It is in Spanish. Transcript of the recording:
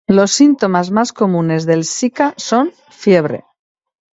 Los síntomas más comunes del zika son fiebre